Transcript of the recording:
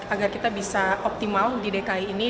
agar kita bisa optimal di dki ini